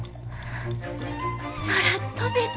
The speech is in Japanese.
空飛べた！